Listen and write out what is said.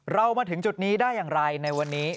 มาถึงจุดนี้ได้อย่างไรในวันนี้